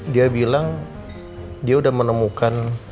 dia bilang dia udah menemukan sebelah anting kamu ya